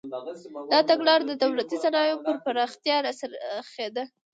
دا تګلاره د دولتي صنایعو پر پراختیا راڅرخېده.